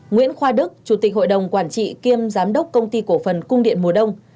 nguyễn khoa đức chủ tịch hội đồng quản trị kiêm giám đốc công ty cổ phần cung điện mùa đông